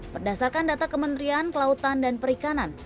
berdasarkan data kementerian kelautan dan perikanan